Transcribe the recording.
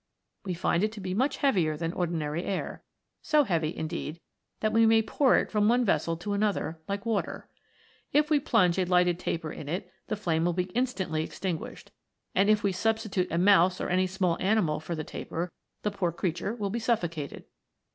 We find it to be much heavier than ordinary air so heavy, indeed, that we may pour it from one vessel to another, like water. If we plunge a lighted taper in it the flame will be instantly ex tinguished; and if we substitute a mouse or any other small animal for the taper, the poor creature will be suffocated.